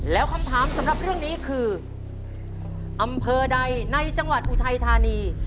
แล้วคำถามสำหรับเรื่องนี้คืออำเภอใดในจังหวัดอุทัยธานี